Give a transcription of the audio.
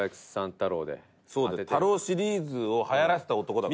タカ：太郎シリーズをはやらせた男だからね。